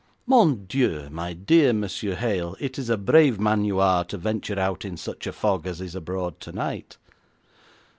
'Mon Dieu, my dear Monsieur Hale, it is a brave man you are to venture out in such a fog as is abroad tonight.'